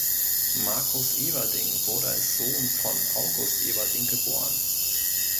Marcus Everding wurde als Sohn von August Everding geboren.